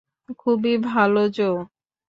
খুবই ভালো, জো।